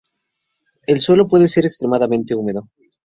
El suelo puede ser extremadamente húmedo.